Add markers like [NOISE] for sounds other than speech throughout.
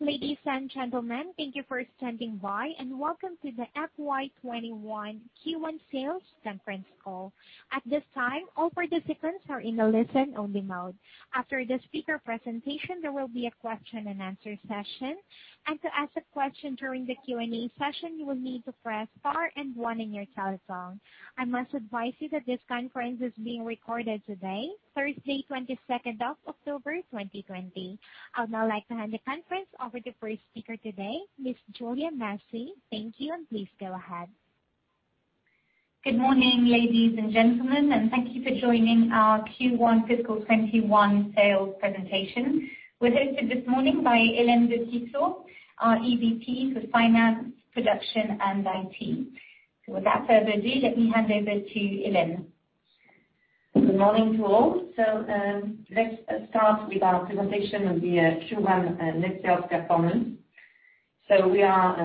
Ladies and gentlemen, thank you for standing by, and welcome to the FY 2021 Q1 sales conference call. At this time, all participants are in a listen-only mode. After the speaker presentation, there will be a question and answer session. To ask a question during the Q&A session, you will need to press star and one on your telephone. I must advise you that this conference is being recorded today, Thursday, 22nd of October 2020. I would now like to hand the conference over to the first speaker today, Ms. Julia Massies. Thank you, and please go ahead. Good morning, ladies and gentlemen, and thank you for joining our Q1 fiscal 2021 sales presentation. We're hosted this morning by Hélène de Tissot, our EVP for Finance, Production, and IT. Without further ado, let me hand over to Hélène. Good morning to all. Let's start with our presentation of the Q1 net sales performance. We are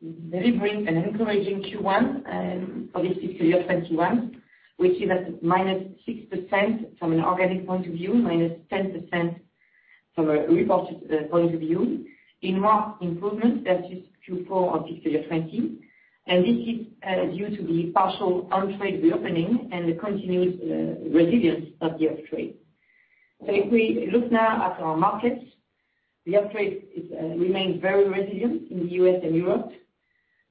delivering an encouraging Q1 for this fiscal year 2021, which is at -6% from an organic point of view, -10% from a reported point of view. In more improvement versus Q4 of fiscal year 2020. This is due to the partial on-trade reopening and the continued resilience of the off-trade. If we look now at our markets, the off-trade remains very resilient in the U.S. and Europe.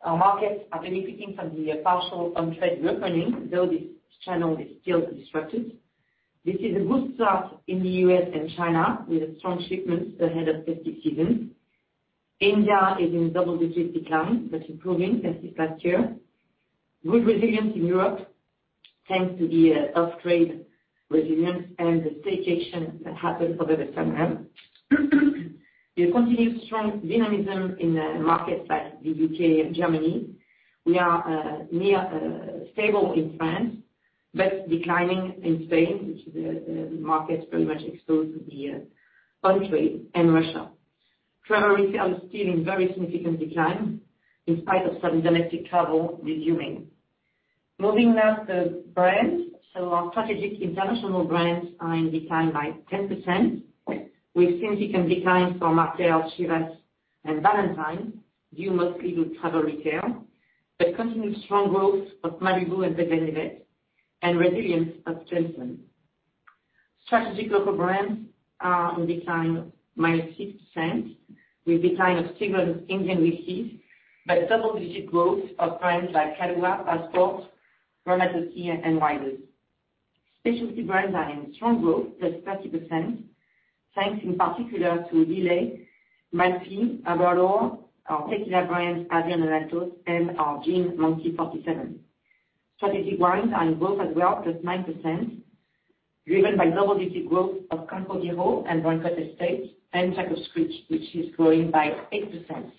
Our markets are benefiting from the partial on-trade reopening, though this channel is still disrupted. This is a good start in the U.S. and China, with strong shipments ahead of festive season. India is in double-digit decline but improving versus last year. Good resilience in Europe, thanks to the off-trade resilience and the staycation that happened over the summer. We continue strong dynamism in markets like the U.K. and Germany. We are near stable in France, but declining in Spain, which is a market very much exposed to the on-trade and Russia. Travel retail is still in very significant decline in spite of some domestic travel resuming. Moving now to brands. Our strategic international brands are in decline by 10%, with significant decline for Martell, Chivas, and Ballantine's, due mostly to travel retail, but continued strong growth of Malibu and The Glenlivet and resilience of Jameson. Strategic local brands are on decline -6%, with decline of Seagram's Indian whiskies, but double-digit growth of brands like Kahlúa, Passport, Ramazzotti, and Wiser's. Specialty brands are in strong growth, +30%, thanks in particular to Lillet, Malfy, Aberlour, our tequila brands, Avión, Altos and our gin, Monkey 47. Strategic wines are in growth as well, +9%, driven by double-digit growth of Campo Viejo and Brancott Estate and Jacob's Creek, which is growing by 8%.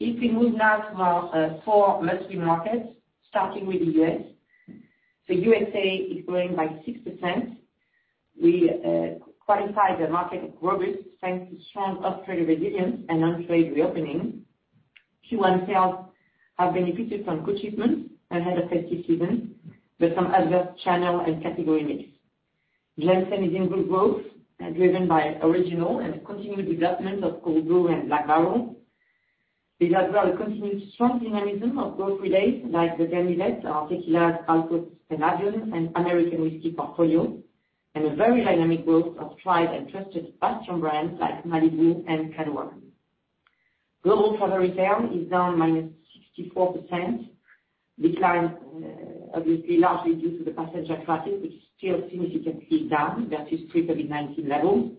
If we move now to our four must-win markets, starting with the U.S. U.S.A. is growing by 6%. We qualify the market progress, thanks to strong off-trade resilience and on-trade reopening. Q1 sales have benefited from good shipments ahead of festive season, but some adverse channel and category mix. Jameson is in good growth, driven by original and continued development of Cold Brew and Black Barrel. We had, well, continued strong dynamism of growth relays like The Glenlivet, our tequilas, Altos and Avión, and American whiskey portfolio, and a very dynamic growth of tried and trusted past brands like Malibu and Kahlua. Global travel retail is down -64%, decline obviously largely due to the passenger traffic, which is still significantly down versus pre-COVID-19 levels.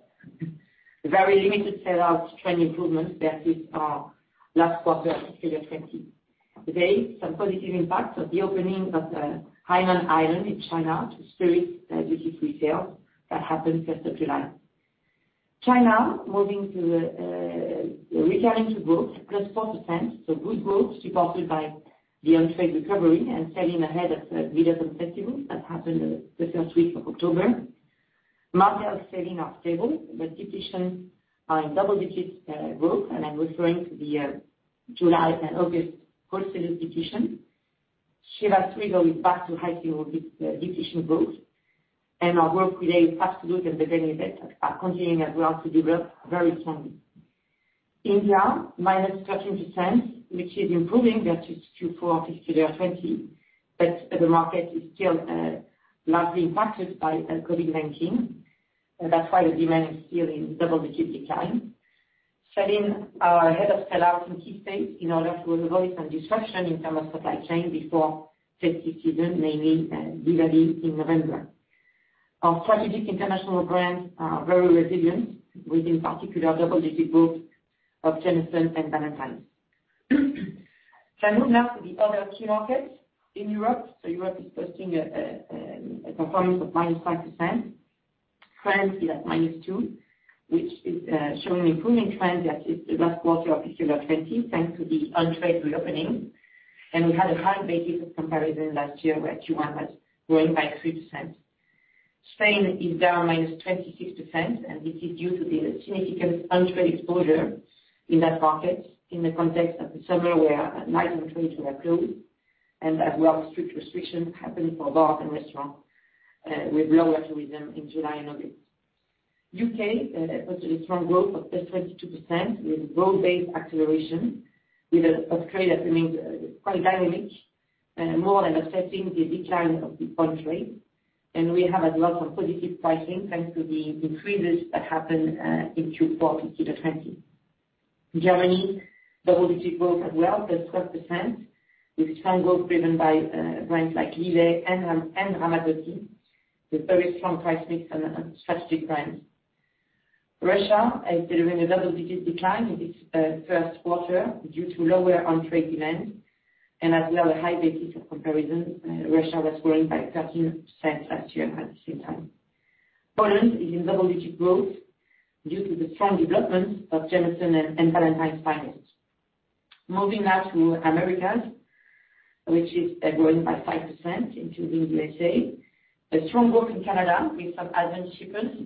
Very limited sell-out trend improvements versus our last quarter of fiscal 2020. Today, some positive impacts of the opening of Hainan Island in China to spirits, duty-free sales that happened first of July. China moving to returning to growth, +4%. Good growth supported by the on-trade recovery and selling ahead of Mid-Autumn Festival that happened the first week of October. Martell sell-in are stable, but depletions are in double-digit growth, I'm referring to the July and August wholesale depletions. Chivas Regal is back to high single-digit depletion growth. Our growth relay, Absolut and The Glenlivet, are continuing as well to develop very strongly. India, -13%, which is improving versus Q4 fiscal year 2020. The market is still largely impacted by COVID-19. That's why the demand is still in double-digit decline. Selling ahead of sell-outs in key states in order to avoid some disruption in terms of supply chain before festive season, namely Diwali in November. Our strategic international brands are very resilient, with in particular double-digit growth of Jameson and Ballantine's. I move now to the other key markets in Europe. Europe is posting a performance of -5%. France is at -2%, which is showing an improving trend that is the last quarter of fiscal 2020, thanks to the on-trade reopening. We had a hard basis of comparison last year where Q1 was growing by 3%. Spain is down -26%, and this is due to the significant on-trade exposure in that market in the context of the summer where night and trade were closed. As well, strict restrictions happened for bar and restaurant with lower tourism in July and August. U.K. had a strong growth of +22% with broad-based acceleration, with a off-trade that remains quite dynamic and more than offsetting the decline of the on-trade. We have a lot of positive pricing thanks to the increases that happened in Q4 fiscal 2020. Germany, double-digit growth as well, +12%, with strong growth driven by brands like Lillet and Ramazzotti, with very strong price mix on strategic brands. Russia is delivering a double-digit decline in its first quarter due to lower on-trade demand and as well a high basis of comparison. Russia was growing by 13% last year at the same time. Poland is in double-digit growth due to the strong development of Jameson and Ballantine's Finest. Moving now to Americas, which is growing by 5% including U.S.A. A strong growth in Canada with some advanced shipments,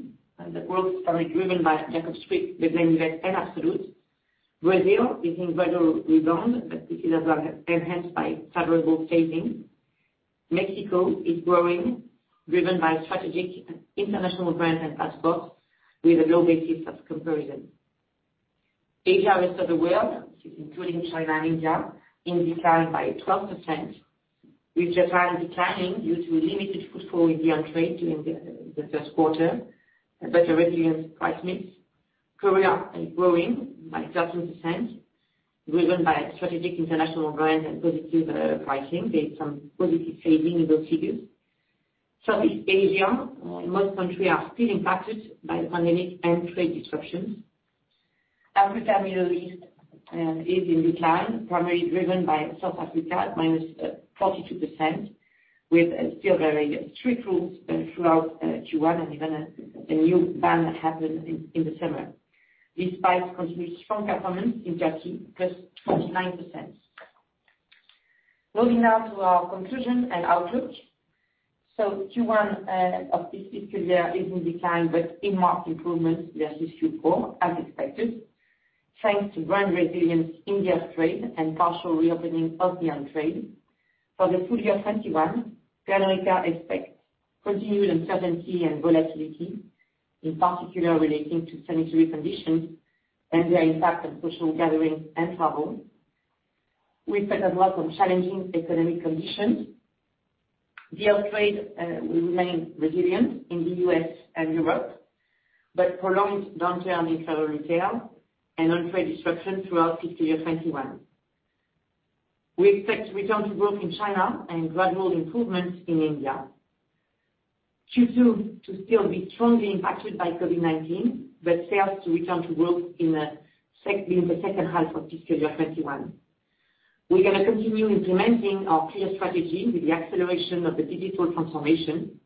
the growth is primarily driven by Jacob's Creek, The Glenlivet, and Absolut. Brazil is in gradual rebound, but this is as well enhanced by favorable phasing. Mexico is growing, driven by strategic international brands and Passport with a low basis of comparison. Asia, rest of the World, including China and India, in decline by 12%, with Japan declining due to limited footfall in the on-trade during the first quarter, but a resilient price mix. Korea is growing by 13%, driven by strategic international brands and positive pricing based on positive phasing in those figures. Southeast Asia, most countries are still impacted by the pandemic and trade disruptions. Africa, Middle East is in decline, primarily driven by South Africa at -42%, with still very strict rules throughout Q1 and even a new ban that happened in the summer. Despite continued strong performance in Turkey, +29%. Moving now to our conclusion and outlook. Q1 of fiscal year is in decline but earmarked improvement versus Q4 as expected, thanks to brand resilience in the off-trade and partial reopening of the on-trade. For the full year 2021, Pernod Ricard expects continued uncertainty and volatility, in particular relating to sanitary conditions and their impact on social gatherings and travel. We expect a lot of challenging economic conditions. The off-trade will remain resilient in the U.S. and Europe, but prolonged downturn in travel retail and on-trade disruption throughout fiscal year 2021. We expect return to growth in China and gradual improvements in India. Q2 to still be strongly impacted by COVID-19, but sales to return to growth in the second half of fiscal year 2021. We're going to continue implementing our clear strategy with the acceleration of the digital transformation.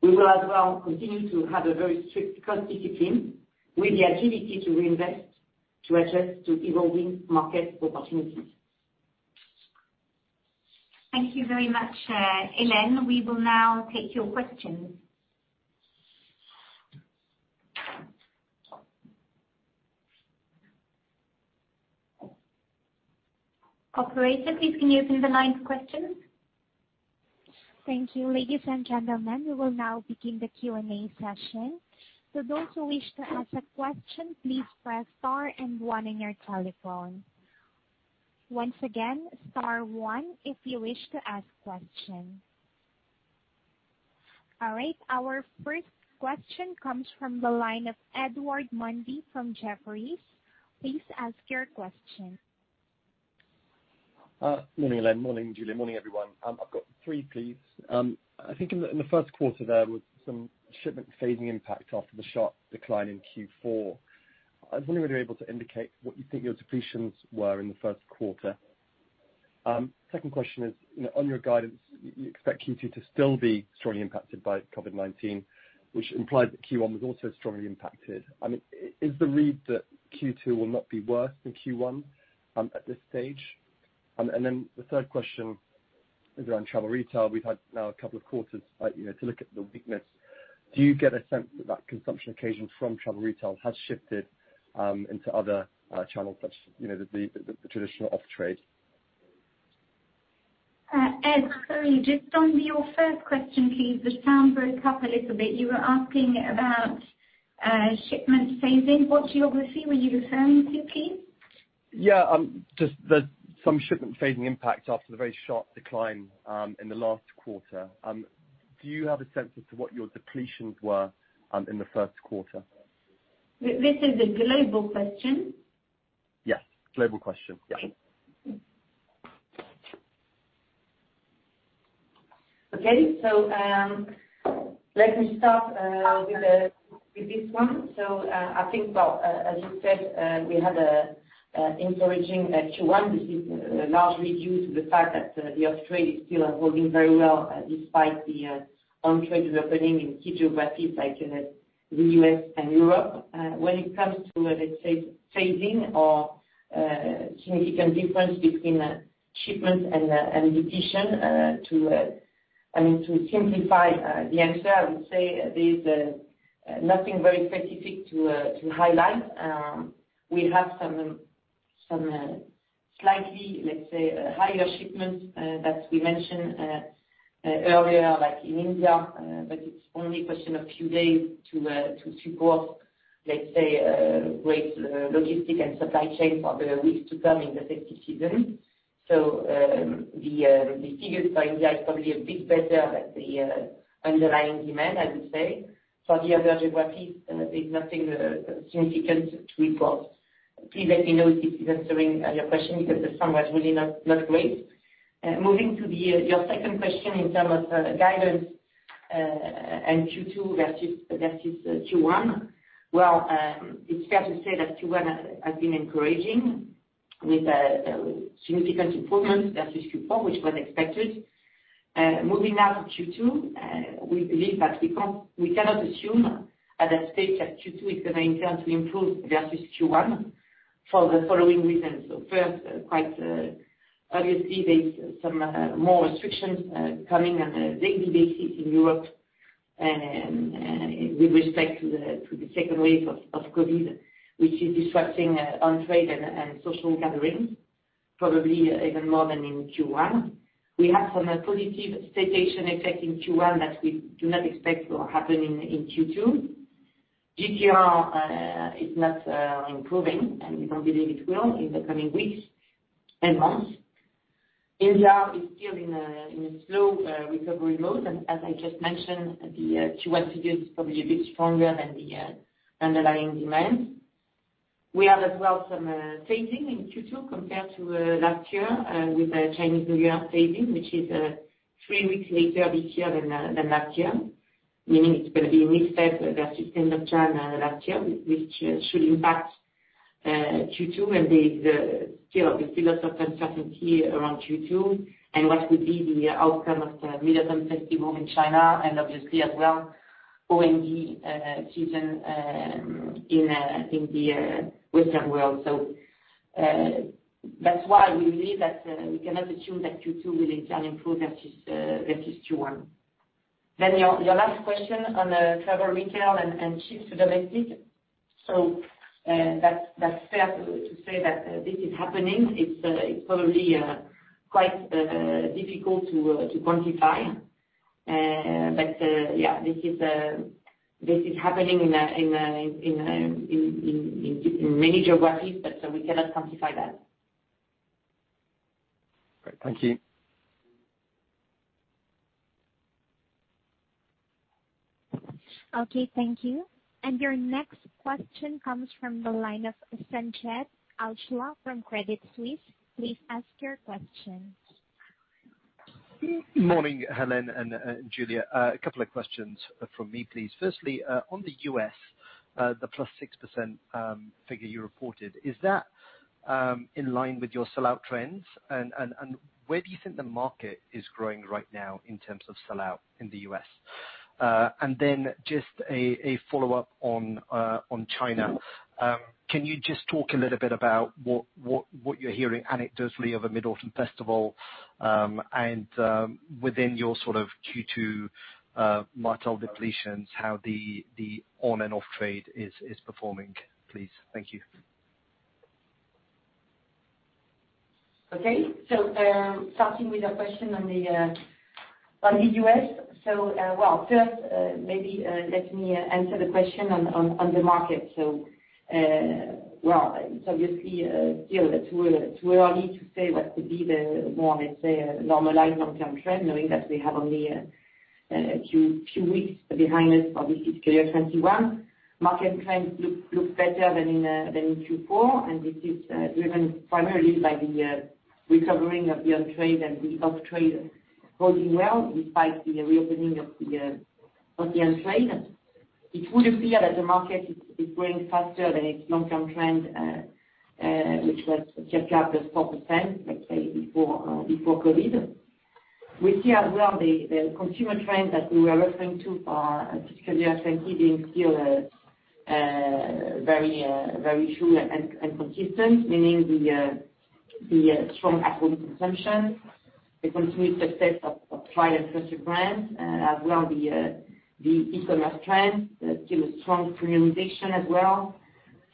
We will as well continue to have a very strict cost discipline with the agility to reinvest to adjust to evolving market opportunities. Thank you very much, Hélène. We will now take your questions. Operator, please can you open the line for questions? Thank you, ladies and gentlemen. We will now begin the Q&A session. Those who wish to ask a question, please press star and one on your telephone. Once again, star one if you wish to ask question. All right, our first question comes from the line of Edward Mundy from Jefferies. Please ask your question. Morning, Hélène, morning, Julia, morning, everyone. I've got three, please. I think in the first quarter, there was some shipment phasing impact after the sharp decline in Q4. I was wondering whether you're able to indicate what you think your depletions were in the first quarter. Second question is, on your guidance, you expect Q2 to still be strongly impacted by COVID-19, which implies that Q1 was also strongly impacted. Is the read that Q2 will not be worse than Q1 at this stage? The third question is around travel retail. We've had now a couple of quarters to look at the weakness. Do you get a sense that that consumption occasion from travel retail has shifted into other channels such, the traditional off-trade? Ed, sorry, just on your first question, please. The sound broke up a little bit. You were asking about shipment phasing. What geography were you referring to, please? Yeah, just there's some shipment phasing impact after the very sharp decline in the last quarter. Do you have a sense as to what your depletions were in the first quarter? This is a global question? Yes. Global question. Yeah. Okay, let me start with this one. I think, as you said, we had an encouraging Q1. This is largely due to the fact that the off-trade is still holding very well despite the on-trade reopening in key geographies like the U.S. and Europe. When it comes to, let's say, phasing or significant difference between shipments and depletion. To simplify the answer, I would say there's nothing very specific to highlight. We have some slightly, let's say, higher shipments that we mentioned earlier, like in India, but it's only a question of few days to support, let's say, great logistics and supply chain for the weeks to come in the festive season. The figures for India is probably a bit better, but the underlying demand, I would say, for the other geographies, there's nothing significant to report. Please let me know if this is answering your question, because the sound was really not great. Your second question in terms of guidance and Q2 versus Q1. Well, it's fair to say that Q1 has been encouraging with a significant improvement versus Q4, which was expected. Moving now to Q2, we believe that we cannot assume at that stage that Q2 is going to naturally improve versus Q1 for the following reasons. First, quite obviously, there's some more restrictions coming on a daily basis in Europe with respect to the second wave of COVID, which is disrupting on-trade and social gatherings probably even more than in Q1. We have some positive staycation effect in Q1 that we do not expect will happen in Q2. GTR is not improving, and we don't believe it will in the coming weeks and months. India is still in a slow recovery mode, and as I just mentioned, the Q1 figures is probably a bit stronger than the underlying demand. We have as well some phasing in Q2 compared to last year with the Chinese New Year phasing, which is three weeks later this year than last year, meaning it's going to be reset versus end of January last year, which should impact Q2. There is still a lot of uncertainty around Q2 and what would be the outcome of the Mid-Autumn Festival in China, and obviously as well, OND season in, I think, the Western world. That's why we believe that we cannot assume that Q2 really can improve versus Q1. Your last question on travel retail and shift to domestic. That's fair to say that this is happening. It's probably quite difficult to quantify. Yeah, this is happening in many geographies, but so we cannot quantify that. Great. Thank you. Okay, thank you. Your next question comes from the line of Sanjeet Aujla from Credit Suisse. Please ask your question. Morning, Hélène and Julia. A couple of questions from me, please. Firstly, on the U.S., the +6% figure you reported, is that in line with your sellout trends? Where do you think the market is growing right now in terms of sellout in the U.S.? Just a follow-up on China. Can you just talk a little bit about what you're hearing anecdotally of a Mid-Autumn Festival, and within your sort of Q2 Martell depletions, how the on and off trade is performing, please? Thank you. Okay. Starting with your question on the U.S. Well, first, maybe let me answer the question on the market. Well, it's obviously still too early to say what could be the more, let's say, normalized long-term trend, knowing that we have only a few weeks behind us for fiscal year 2021. Market trends look better than in Q4, and this is driven primarily by the recovering of the on-trade and the off-trade holding well despite the reopening of the on-trade. It would appear that the market is growing faster than its long-term trend, which was just up +4%, let's say, before COVID. We see as well the consumer trend that we were referring to for fiscal year 2020 being still very true and consistent, meaning the strong alcohol consumption, the continued success of tried and trusted brands, as well the e-commerce trend, still a strong premiumization as well.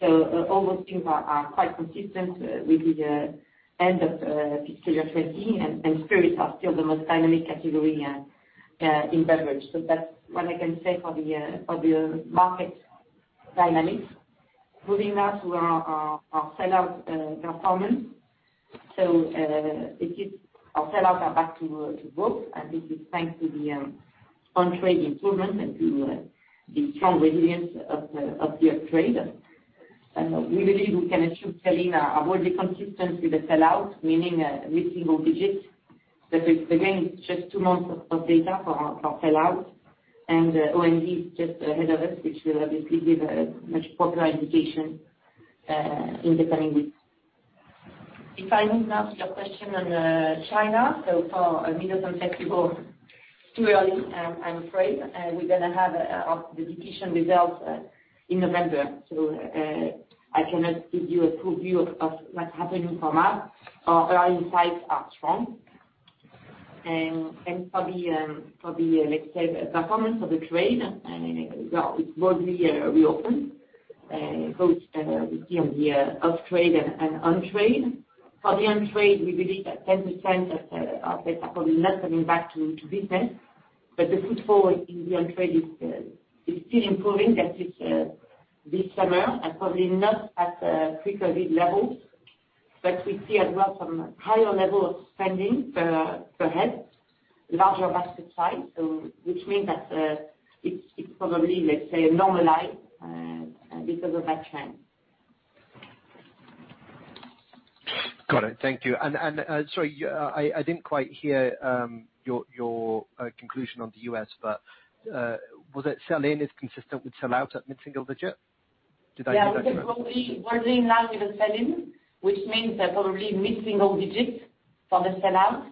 All those things are quite consistent with the end of fiscal year 2020, spirits are still the most dynamic category in beverage. That's what I can say for the market dynamics. Moving now to our sellout performance. Our sellouts are back to growth, this is thanks to the on-trade improvement and to the strong resilience of the off-trade. We believe we can achieve volume consistency with the sellout, meaning mid-single digits. Again, it's just two months of data for our sellouts, and OND is just ahead of us, which will obviously give a much popular indication in the coming weeks. If I move now to your question on China. For Mid-Autumn Festival, too early, I'm afraid. We're going to have the depletion results in November, I cannot give you a preview of what's happening from us. Our insights are strong. For the, let's say, performance of the trade, it broadly reopened both we see on the off-trade and on-trade. For the on-trade, we believe that 10% of it are probably not coming back into business, the footfall in the on-trade is still improving as it's this summer, probably not at the pre-COVID levels. We see as well some higher level of spending per head, larger basket size, which means that it's probably, let's say, normalized because of that trend. Got it. Thank you. Sorry, I didn't quite hear your conclusion on the U.S., but was it sell-in is consistent with sell out at mid-single digit? Did I hear that correctly? Yeah. We are doing now with the sell-in, which means that probably mid-single digits for the sell out.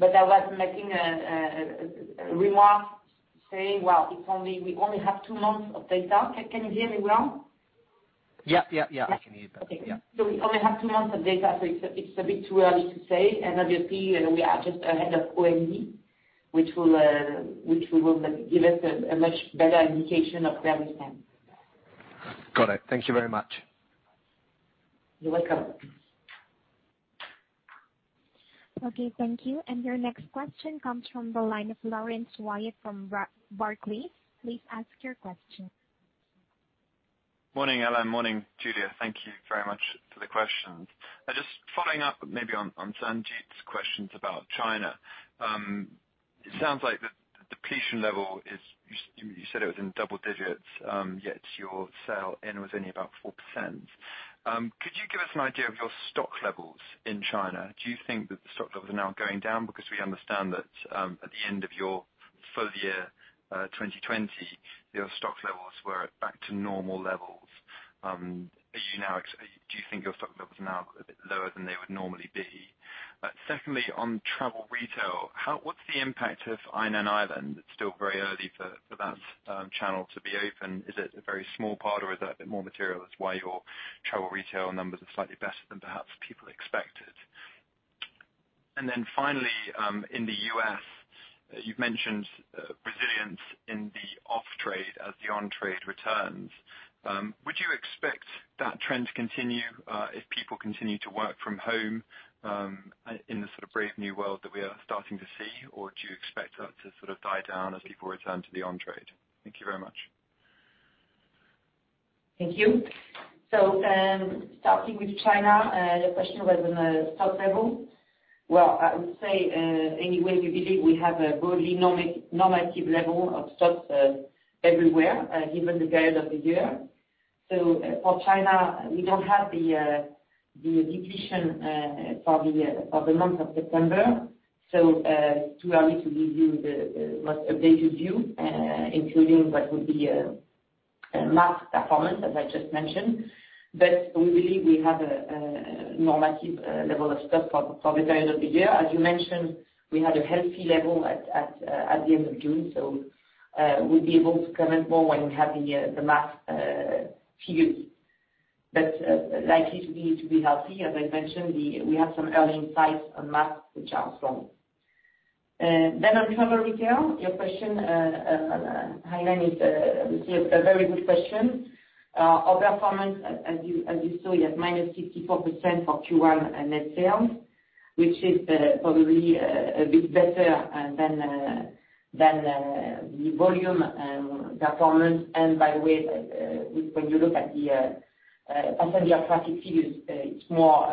I was making a remark saying, well, we only have two months of data. Can you hear me well? Yeah, I can hear that. Okay. We only have two months of data, so it's a bit too early to say. Obviously, we are just ahead of OND, which will give us a much better indication of the understanding. Got it. Thank you very much. You're welcome. Okay, thank you. Your next question comes from the line of Laurence Whyatt from Barclays. Please ask your question. Morning, Hélène. Morning, Julia. Thank you very much for the questions. Following up maybe on Sanjeet's questions about China. It sounds like the depletion level is, you said it was in double digits, yet your sell-in was only about 4%. Could you give us an idea of your stock levels in China? Do you think that the stock levels are now going down? We understand that at the end of your full year 2020, your stock levels were back to normal levels. Do you think your stock level is now a bit lower than they would normally be? On travel retail, what's the impact of Hainan Island? It's still very early for that channel to be open. Is it a very small part or is that a bit more material, it's why your travel retail numbers are slightly better than perhaps people expected? Finally, in the U.S., you've mentioned resilience in the off-trade as the on-trade returns. Would you expect that trend to continue if people continue to work from home in the sort of brave new world that we are starting to see? Do you expect that to sort of die down as people return to the on-trade? Thank you very much. Thank you. Starting with China, your question was on the stock level. I would say, anyway, we believe we have a broadly normative level of stocks everywhere given the period of the year. For China, we don't have the depletion for the month of September, so too early to give you the most updated view including what would be MAF performance as I just mentioned. We believe we have a normative level of stock for the period of the year. As you mentioned, we had a healthy level at the end of June, so we will be able to comment more when we have the MAF figures. Likely to be healthy. As I mentioned, we have some early insights on mass, which are strong. On travel retail, your question, Hainan, is a very good question. Our performance, as you saw, you have -64% for Q1 net sales, which is probably a bit better than the volume performance. By the way, when you look at the passenger traffic figures, it's more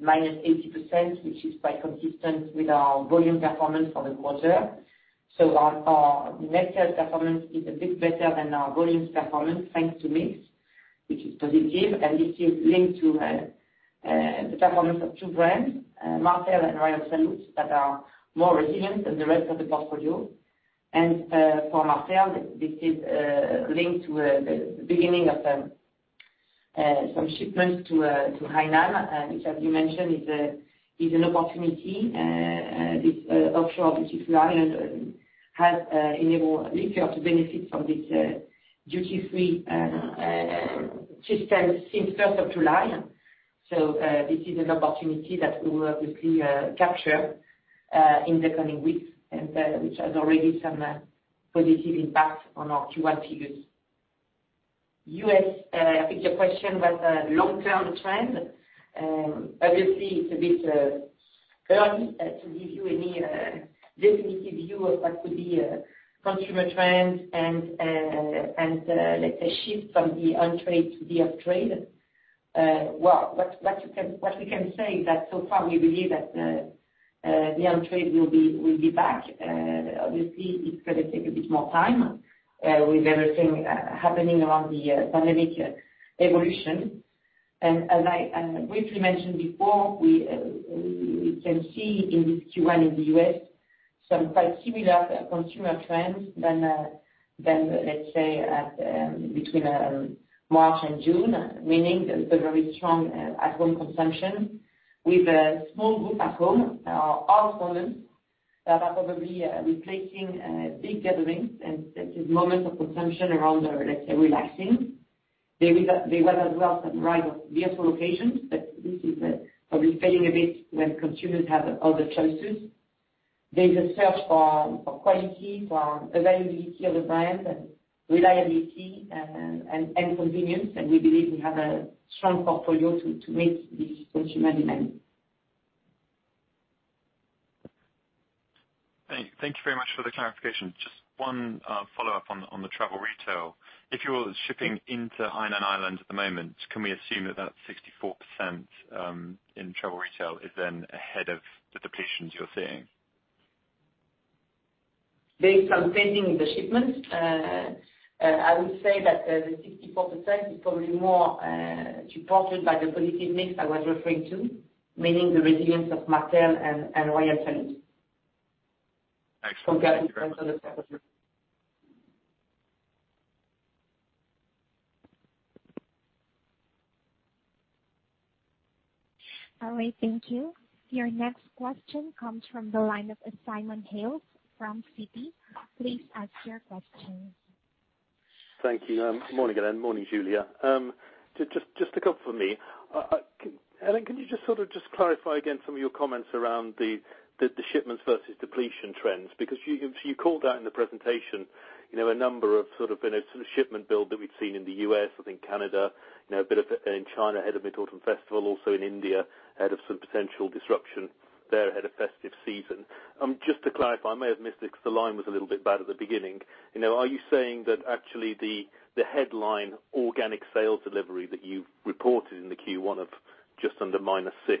-80%, which is quite consistent with our volume performance for the quarter. Our net sales performance is a bit better than our volumes performance thanks to mix, which is positive, and this is linked to the performance of two brands, Martell and Royal Salute, that are more resilient than the rest of the portfolio. For Martell, this is linked with the beginning of some shipments to Hainan, which as you mentioned, is an opportunity. This offshore duty-free island has enabled liquor to benefit from this duty-free system since first of July. This is an opportunity that we will obviously capture in the coming weeks, and which has already some positive impact on our Q1 figures. U.S., I think your question was a long-term trend. Obviously, it's a bit early to give you any definitive view of what could be consumer trends and, let's say, shift from the on-trade to the off-trade. Well, what we can say is that so far we believe that the on-trade will be back. Obviously, it's going to take a bit more time with everything happening around the pandemic evolution. As I briefly mentioned before, we can see in this Q1 in the U.S. some quite similar consumer trends than, let's say, between March and June, meaning there is a very strong at-home consumption with a small group at home or off home that are probably replacing big gatherings and moments of consumption around, let's say, relaxing. They went as well some rival beer locations, this is probably fading a bit when consumers have other choices. There's a search for quality, for availability of the brand, and reliability and convenience. We believe we have a strong portfolio to meet these consumer demands. Thank you very much for the clarification. Just one follow-up on the travel retail. If you're shipping into Hainan Island at the moment, can we assume that that 64% in travel retail is then ahead of the depletions you're seeing? Based on phasing in the shipments, I would say that the 64% is probably more supported by the positive mix I was referring to, meaning the resilience of Martell and Royal Salute. Thanks. From getting [AUDIO DISTORTION] All right, thank you. Your next question comes from the line of Simon Hales from Citi. Please ask your question. Thank you. Morning, Hélène. Morning, Julia. Just to kick off for me, Hélène, can you just clarify again some of your comments around the shipments versus depletion trends, because you called out in the presentation, a number of sort of shipment build that we've seen in the U.S., I think Canada, a bit of it in China ahead of Mid-Autumn Festival, also in India, ahead of some potential disruption there ahead of festive season. Just to clarify, I may have missed it because the line was a little bit bad at the beginning. Are you saying that actually the headline organic sales delivery that you've reported in the Q1 of just under -6%,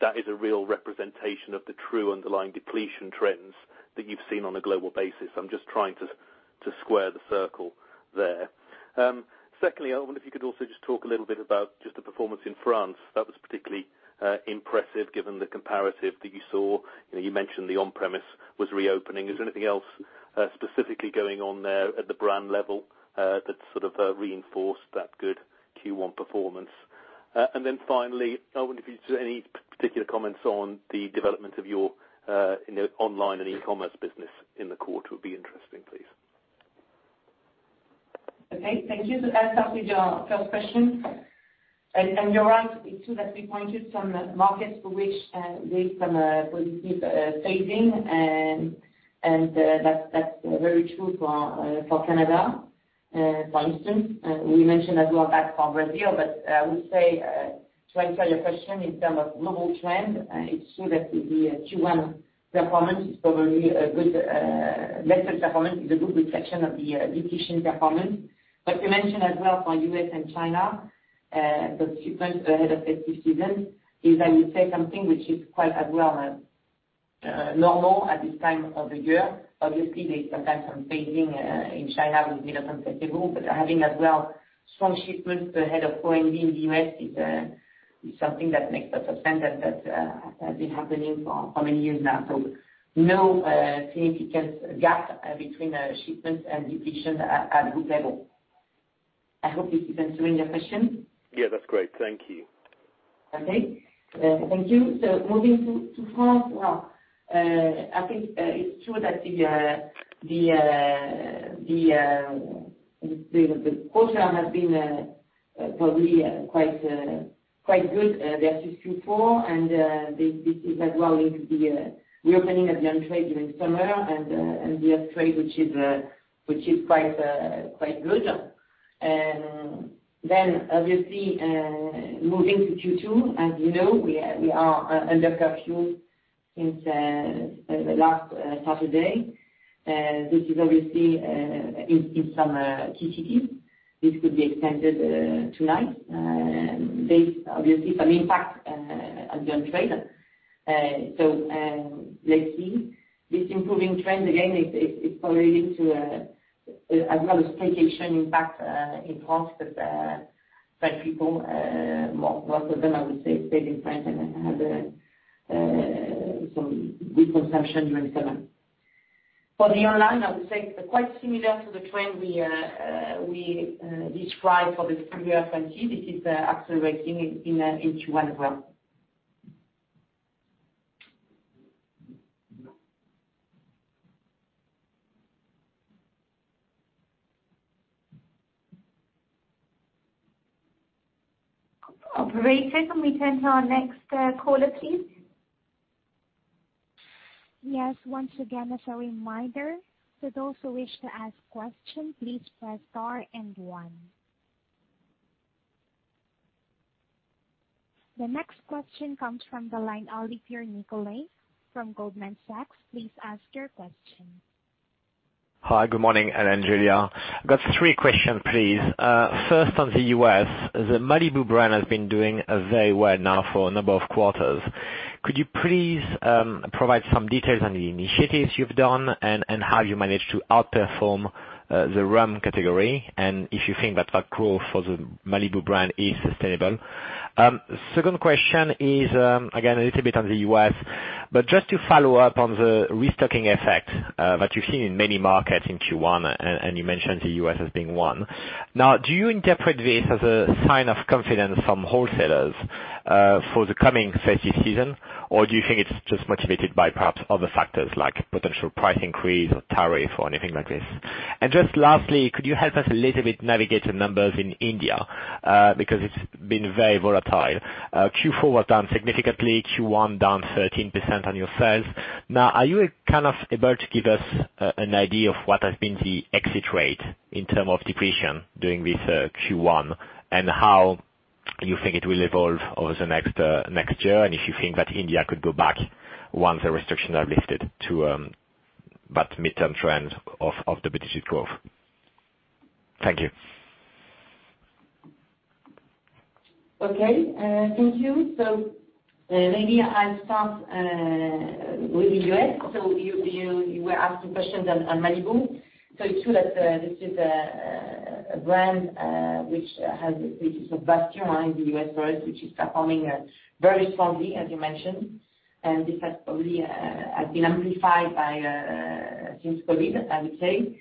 that is a real representation of the true underlying depletion trends that you've seen on a global basis? I'm just trying to square the circle there. I wonder if you could also just talk a little bit about just the performance in France that was particularly impressive given the comparative that you saw. You mentioned the on-premise was reopening. Is there anything else specifically going on there at the brand level, that sort of reinforced that good Q1 performance? Finally, I wonder if you see any particular comments on the development of your online and e-commerce business in the quarter would be interesting, please. Okay, thank you. I'll start with your first question. You're right, it's true that we pointed some markets for which there is some positive saving and that's very true for Canada, for instance. We mentioned as well that for Brazil, I would say, to answer your question in terms of global trend, it's true that the Q1 performance is probably a good measure performance. It's a good reflection of the depletion performance. You mentioned as well for U.S. and China, the shipments ahead of festive season is, I would say something which is quite as well normal at this time of the year. Obviously there's sometimes some phasing in China with Chinese New Year and festive group, having as well strong shipments ahead of OND in the U.S. is something that makes lot of sense that has been happening for how many years now. No significant gap between shipments and depletion at group level. I hope this is answering your question. Yeah, that's great. Thank you. Okay. Thank you. Moving to France. I think it's true that the outlook has been probably quite good versus Q4. This is as well linked to the reopening of the on-trade during summer and the off-trade, which is quite good. Obviously, moving to Q2, as you know, we are under curfew since the last Saturday. This is obviously in some cities. This could be extended tonight, based obviously some impact on trade. Let's see. This improving trend again, is probably linked to as well a staycation impact in France that people, most of them, I would say, stayed in France and had some good consumption during summer. For the online, I would say quite similar to the trend we described for the previous entity. This is accelerating in Q1 well. Operator, can we turn to our next caller, please? Yes. Once again, as a reminder, for those who wish to ask questions, please press star and one. The next question comes from the line Olivier Nicolai from Goldman Sachs. Please ask your question. Hi, good morning, Hélène, Julia. I've got three questions, please. First on the U.S. The Malibu brand has been doing very well now for a number of quarters. Could you please provide some details on the initiatives you've done and how you managed to outperform the rum category, and if you think that that growth for the Malibu brand is sustainable? Second question is again a little bit on the U.S. Just to follow up on the restocking effect that you've seen in many markets in Q1, and you mentioned the U.S. as being one. Do you interpret this as a sign of confidence from wholesalers for the coming festive season? Do you think it's just motivated by perhaps other factors, like potential price increase or tariff or anything like this? Just lastly, could you help us a little bit navigate the numbers in India? Because it's been very volatile. Q4 was down significantly, Q1 down 13% on your sales. Now, are you able to give us an idea of what has been the exit rate in terms of depletion during this Q1, and how you think it will evolve over the next year, and if you think that India could go back once the restrictions are lifted to that midterm trend of the digital growth? Thank you. Okay, thank you. Maybe I'll start with the U.S. You were asking questions on Malibu. It's true that this is a brand which has a vast amount in the U.S. for us, which is performing very strongly, as you mentioned. This has probably been amplified since COVID, I would say.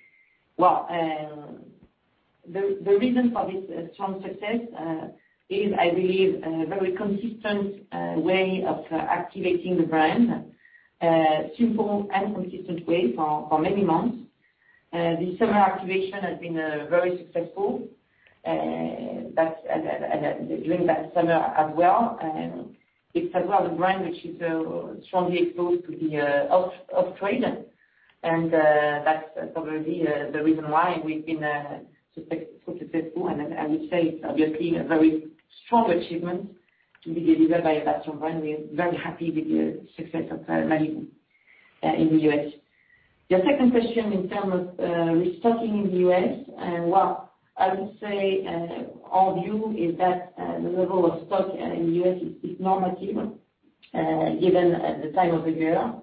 The reason for this strong success is, I believe, a very consistent way of activating the brand, simple and consistent way for many months. The summer activation has been very successful during that summer as well. It's as well the brand which is strongly exposed to the off-trade, and that's probably the reason why we've been so successful. I would say it's obviously a very strong achievement to be delivered by a blockbuster brand. We are very happy with the success of Malibu in the U.S. Your second question in terms of restocking in the U.S., well, I would say our view is that the level of stock in the U.S. is normative given the time of the year.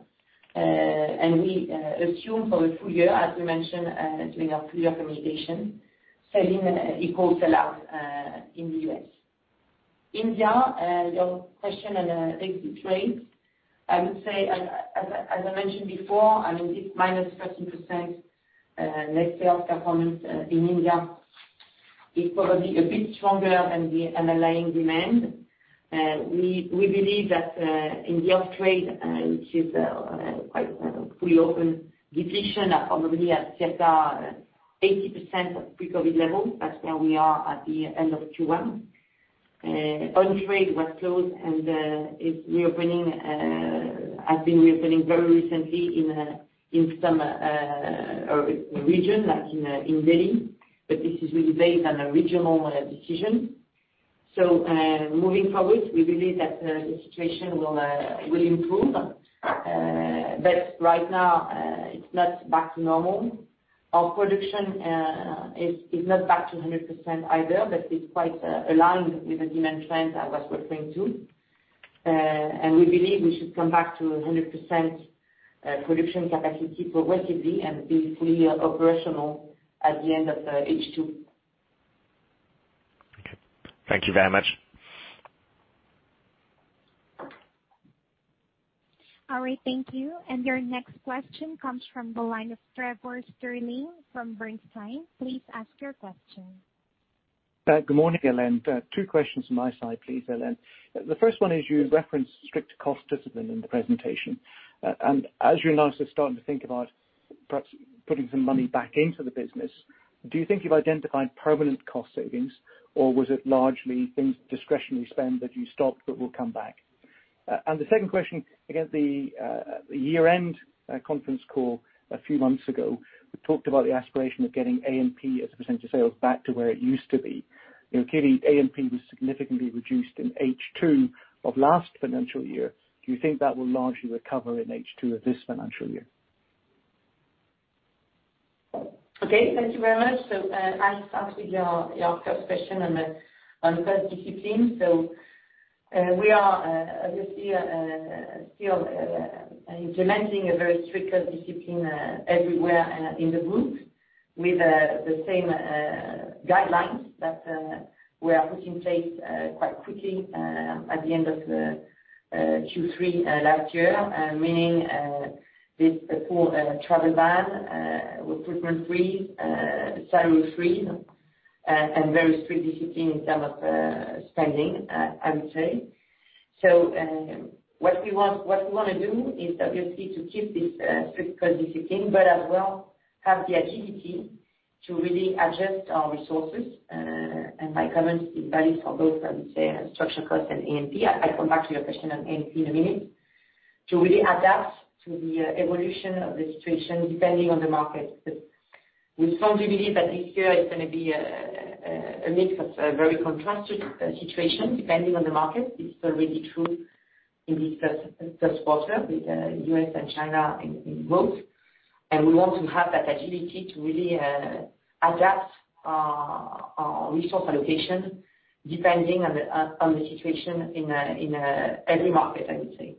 We assume for the full year, as we mentioned during our previous communication, selling equals sell out in the U.S. India, your question on the exit rate, I would say, as I mentioned before, this -13% less sales performance in India is probably a bit stronger than the underlying demand. We believe that in the off-trade, which is quite a fully open depletion, are probably at just 80% of pre-COVID levels. That's where we are at the end of Q1. On-trade was closed and has been reopening very recently in some region, like in Delhi, but this is really based on a regional decision. Moving forward, we believe that the situation will improve. Right now, it's not back to normal. Our production is not back to 100% either, but it's quite aligned with the demand trend that we're referring to. We believe we should come back to 100% production capacity progressively and be fully operational at the end of H2. Okay. Thank you very much. All right, thank you. Your next question comes from the line of Trevor Stirling from Bernstein. Please ask your question. Good morning, Hélène. Two questions from my side, please, Hélène. The first one is, you referenced strict cost discipline in the presentation. As you're now sort of starting to think about perhaps putting some money back into the business, do you think you've identified permanent cost savings, or was it largely things discretionary spend that you stopped but will come back? The second question, again, the year-end conference call a few months ago, we talked about the aspiration of getting A&P as a percentage of sales back to where it used to be. Clearly, A&P was significantly reduced in H2 of last financial year. Do you think that will largely recover in H2 of this financial year? Okay, thank you very much. I'll start with your first question on cost discipline. We are obviously still implementing a very strict cost discipline everywhere in the group with the same guidelines that we are putting in place quite quickly at the end of Q3 last year, meaning this full travel ban, recruitment freeze, salary freeze, and very strict discipline in term of spending, I would say. What we want to do is obviously to keep this strict cost discipline, but as well have the agility to really adjust our resources. My comments is valid for both, I would say, structural cost and A&P. I'll come back to your question on A&P in a minute. To really adapt to the evolution of the situation depending on the market. We strongly believe that this year is going to be a mix of very contrasted situation depending on the market. It's already true in this first quarter with U.S. and China in both. We want to have that agility to really adapt our resource allocation depending on the situation in every market, I would say.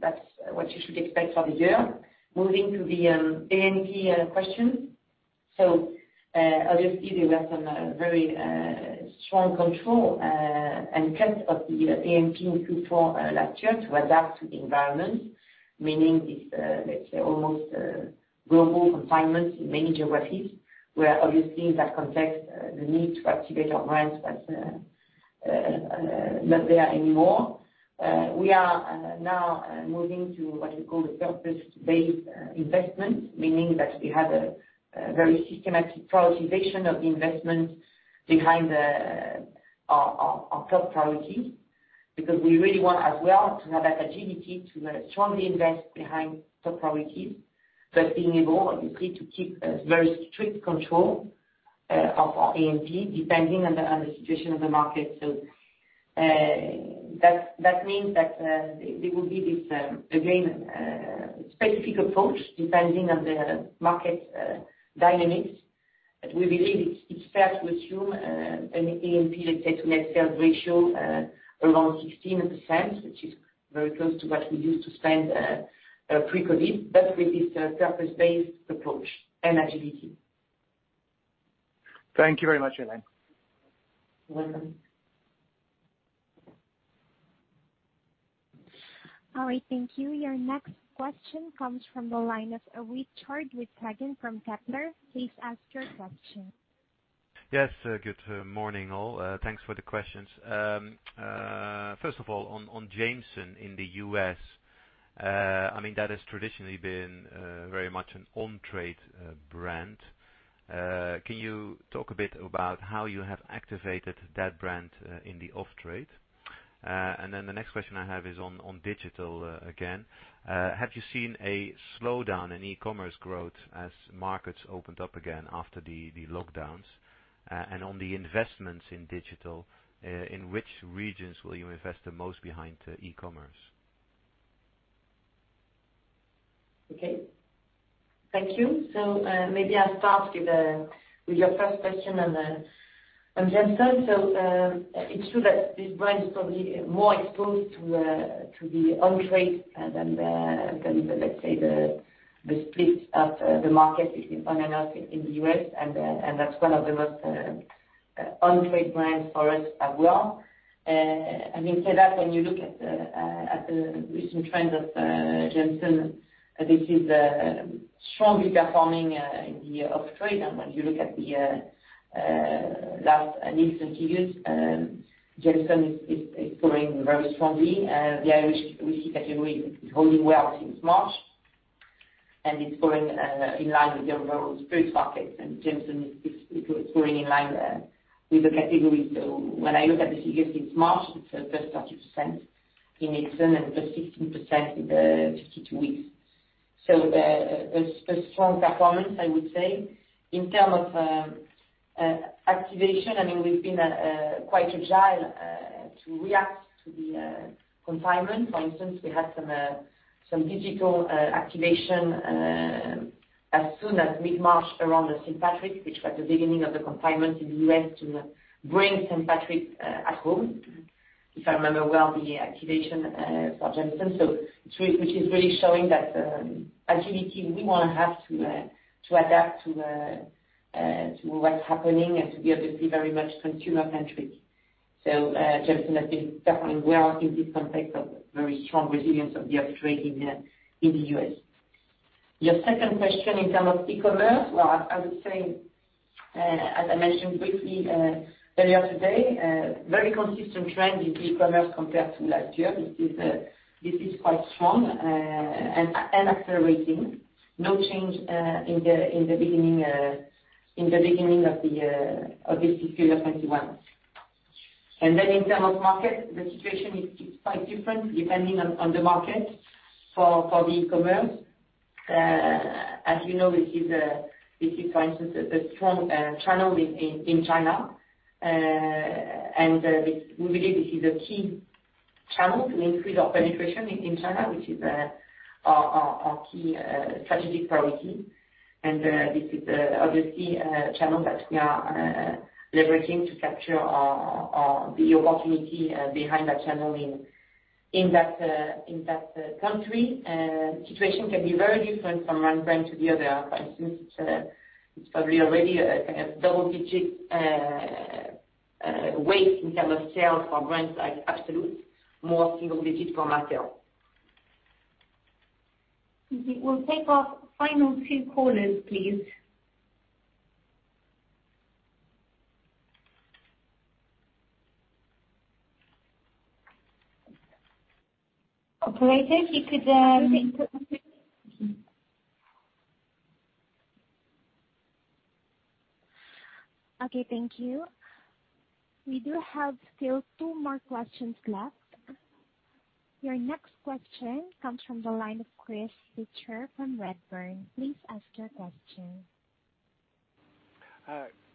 That's what you should expect for the year. Moving to the A&P question. Obviously, there was some very strong control and cut of the A&P we saw last year to adapt to the environment, meaning this, let's say, almost global confinement in many geographies, where obviously that context, the need to activate our brands was not there anymore. We are now moving to what we call the purpose-based investment, meaning that we have a very systematic prioritization of the investment behind our top priorities, because we really want as well to have that agility to strongly invest behind top priorities, but being able, obviously, to keep a very strict control of our A&P depending on the situation of the market. That means that there will be this, again, specific approach depending on the market dynamics. We believe it's fair to assume an A&P, let's say, to net sales ratio around 16%, which is very close to what we used to spend pre-COVID, with this purpose-based approach and agility. Thank you very much, Hélène. [You're welcome]. All right, thank you. Your next question comes from the line of Richard Withagen from Kepler. Please ask your question. Yes. Good morning, all. Thanks for the questions. First of all, on Jameson in the U.S., that has traditionally been very much an on-trade brand. Can you talk a bit about how you have activated that brand in the off-trade? Then the next question I have is on digital again. Have you seen a slowdown in e-commerce growth as markets opened up again after the lockdowns? On the investments in digital, in which regions will you invest the most behind e-commerce? Okay. Thank you. Maybe I'll start with your first question on Jameson. It's true that this brand is probably more exposed to the on-trade than the split of the market between on and off in the U.S., and that's one of the most on-trade brands for us as well. Having said that, when you look at the recent trends of Jameson, this is strongly performing in the off-trade. When you look at the last recent years, Jameson is growing very strongly. The Irish whiskey category is holding well since March, and it's growing in line with the overall spirits market, and Jameson is growing in line with the category. When I look at the figures since March, it's +30% in Nielsen and +16% in the 52 weeks. A strong performance, I would say. In term of activation, we've been quite agile to react to the confinement. For instance, we had some digital activation as soon as mid-March around St. Patrick, which was the beginning of the confinement in the U.S., to bring St. Patrick at home, if I remember well, the activation for Jameson. Which is really showing that agility we want to have to adapt to what's happening and to be obviously very much consumer-centric. Jameson has been performing well in this context of very strong resilience of the off-trade in the U.S. Your second question in term of e-commerce. Well, I would say, as I mentioned briefly earlier today, very consistent trend in e-commerce compared to last year. This is quite strong and accelerating. No change in the beginning of this fiscal year 2021. In terms of market, the situation is quite different depending on the market for the e-commerce. As you know, this is for instance, a strong channel in China. We believe this is a key channel to increase our penetration in China, which is our key strategic priority. This is obviously a channel that we are leveraging to capture the opportunity behind that channel in that country. Situation can be very different from one brand to the other. For instance, it's probably already a double-digit weight in terms of sales for brands like Absolut, more single-digit for Martell. We'll take our final two callers, please. Operator, if you could. Okay, thank you. We do have still two more questions left. Your next question comes from the line of Chris Pitcher from Redburn. Please ask your question.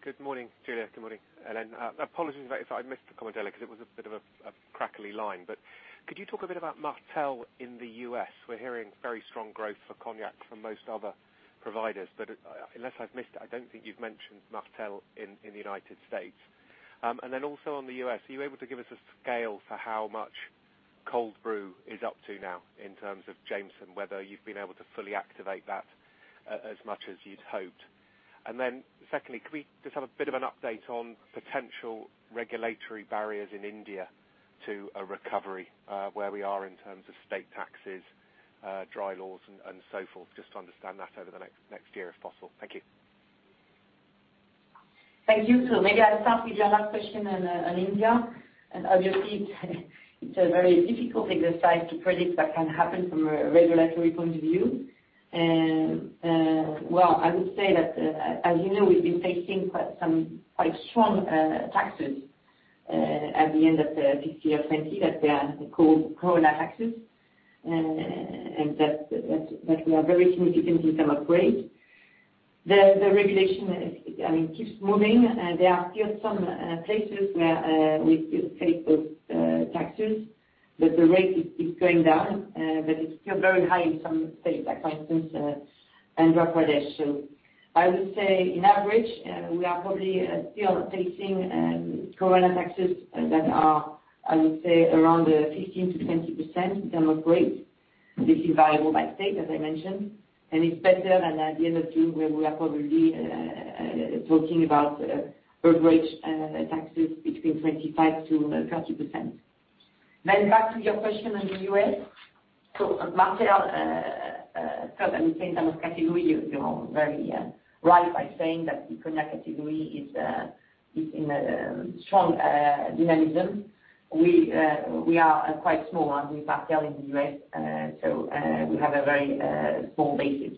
Good morning, Julia. Good morning, Hélène. Apologies if I missed the comment, Hélène, because it was a bit of a crackly line. Could you talk a bit about Martell in the U.S.? We're hearing very strong growth for cognac from most other providers, unless I've missed it, I don't think you've mentioned Martell in the United States. Also on the U.S., are you able to give us a scale for how much Cold Brew is up to now in terms of Jameson, whether you've been able to fully activate that as much as you'd hoped. Secondly, can we just have a bit of an update on potential regulatory barriers in India to a recovery, where we are in terms of state taxes, dry laws, and so forth, just to understand that over the next year if possible. Thank you. Thank you. Maybe I'll start with your last question on India. Obviously it's a very difficult exercise to predict what can happen from a regulatory point of view. Well, I would say that, as you know, we've been facing quite some quite strong taxes at the end of the fiscal year 2020, that they are called Corona taxes, and that we are very significantly some upgrade. The regulation keeps moving. There are still some places where we still face those taxes, but the rate is going down. It's still very high in some states, like for instance, Andhra Pradesh. I would say on average, we are probably still facing corona taxes that are, I would say around 15%-20% depletion rate. This is variable by state, as I mentioned, and it is better than at the end of June where we are probably talking about average taxes between 25%-30%. Back to your question on the U.S. Martell, in terms of category, you are very right by saying that the cognac category is in a strong dynamism. We are quite small on Martell in the U.S., so we have a very small basis.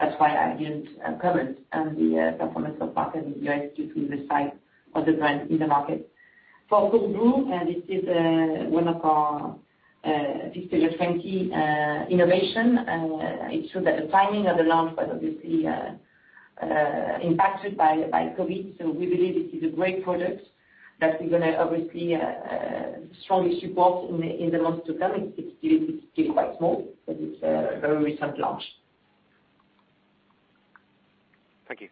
That is why I did not comment on the performance of Martell in the U.S. due to the size of the brand in the market. For Cold Brew, this is one of our fiscal year 2020 innovation. It is true that the timing of the launch was obviously impacted by COVID-19. We believe this is a great product that we are going to obviously strongly support in the months to come. It's still quite small, but it's a very recent launch. Thank you.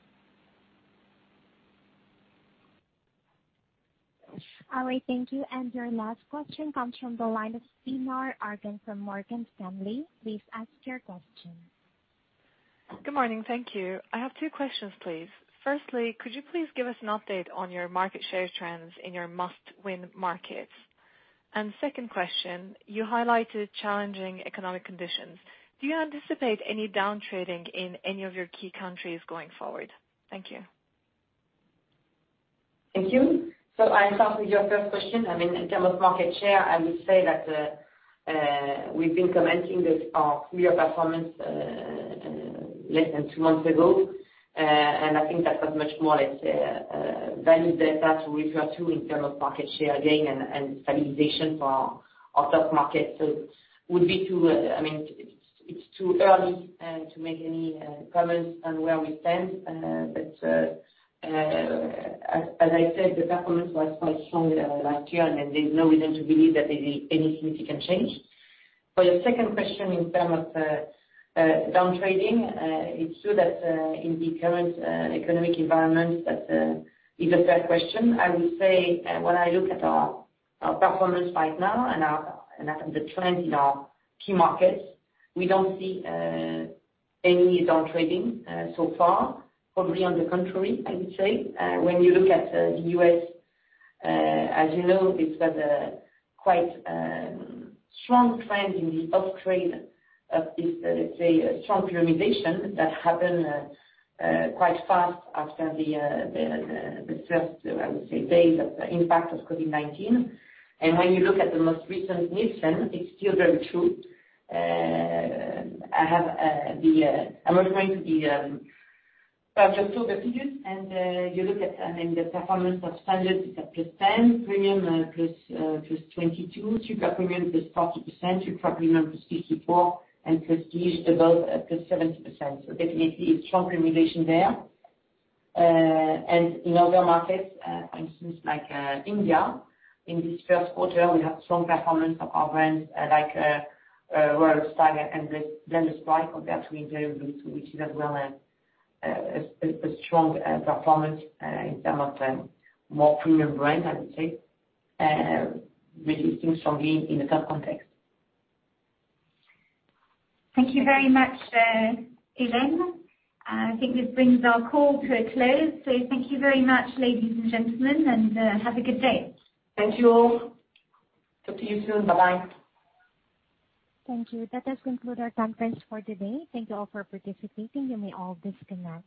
All right. Thank you. Your last question comes from the line of Pinar Ergun from Morgan Stanley. Please ask your question. Good morning. Thank you. I have two questions, please. Firstly, could you please give us an update on your market share trends in your must-win markets? Second question, you highlighted challenging economic conditions. Do you anticipate any downtrading in any of your key countries going forward? Thank you. Thank you. I'll start with your first question. In terms of market share, I would say that we've been commenting that our clear performance less than two months ago, and I think that was much more or less value data to refer to in terms of market share gain and stabilization for our top market. It would be too early to make any comments on where we stand. As I said, the performance was quite strong last year, and there's no reason to believe that there's any significant change. For your second question in terms of downtrading, it's true that in the current economic environment, that is a fair question. I would say when I look at our performance right now and the trend in our key markets, we don't see any downtrading so far. Probably on the contrary, I would say. When you look at the U.S., as you know, it's got a quite strong trend in the off-trade of this, let's say, strong premiumization that happened quite fast after the first, I would say, days of impact of COVID-19. When you look at the most recent Nielsen, it's still very true. I'm referring to the figures, and you look at the performance of Standard is at +10%, Premium +22%, Super Premium +40%, Ultra Premium +54%, and Prestige above +70%. Definitely a strong premiumization there. In other markets, for instance, like India, in this first quarter, we have strong performance of our brands like Royal Stag and Blenders Pride, for example, which is as well a strong performance in terms of more premium brand, I would say, resisting strongly in the current context. Thank you very much, Hélène. I think this brings our call to a close. Thank you very much, ladies and gentlemen, and have a good day. Thank you all. Talk to you soon. Bye-bye. Thank you. That does conclude our conference for today. Thank you all for participating. You may all disconnect.